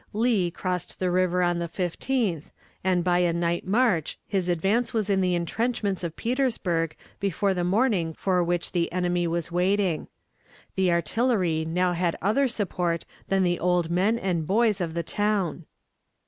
Lee crossed the James River on the 15th, and by a night march his advance was in the entrenchments of Petersburg before the morning for which the enemy was waiting. The artillery now had other support than the old men and boys of the town.